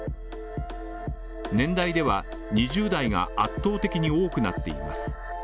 年代では２０代が圧倒的に多くなっています。